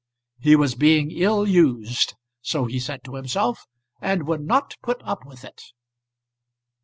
He was being ill used, so he said to himself and would not put up with it.